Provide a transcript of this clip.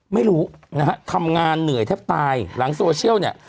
ไม่รู้นะฮะทำงานเหนื่อยแทบตายหลังโซเชียลเนี่ย